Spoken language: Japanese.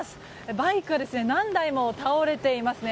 バイクが何台も倒れていますね。